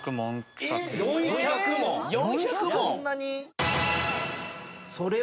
４００問？